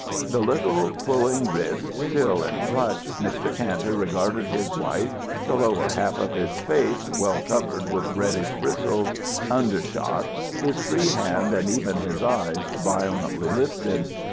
The little pulling wrist still in clutch, Mr. Kantor regarded his wife, the lower half of his face, well covered with reddish bristles, undershot, his free hand and even his eyes violently lifted.